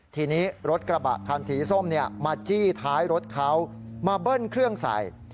ทีนี้รถกระบะคันสีส้มมาจี้ท้ายรถเขามาเบิ้ลเครื่องใส่